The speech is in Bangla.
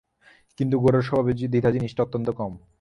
কিন্তু গোরার স্বভাবে দ্বিধা জিনিসটা অত্যন্ত কম।